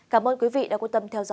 cảm ơn quý vị đã quan tâm theo dõi